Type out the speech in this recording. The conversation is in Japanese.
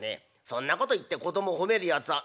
そんなこと言って子供褒めるやつは。